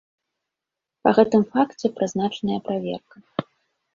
Па гэтым факце прызначаная праверка.